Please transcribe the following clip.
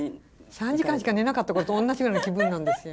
３時間しか寝なかったことと同じぐらいの気分なんですよ。